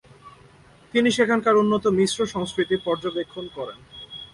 তিনি সেখানকার উন্নত মিশ্র সংস্কৃতি পর্যবেক্ষণ করেন।